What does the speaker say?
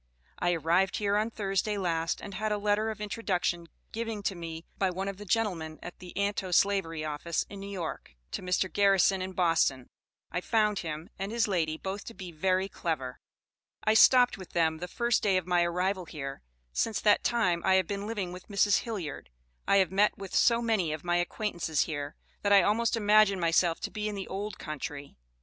I arrived hear on Thirsday last, and had a lettor of intoduction giving to me by one of the gentlemen at the Antoslavery office in New York, to Mr. Garrison in Boston, I found him and his lady both to bee very clever. I stopped with them the first day of my arrivel hear, since that Time I have been living with Mrs. Hilliard I have met with so menny of my acquaintances hear, that I all most immagion my self to bee in the old country.